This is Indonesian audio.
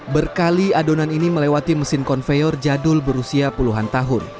berkali adonan ini melewati mesin konveyor jadul berusia puluhan tahun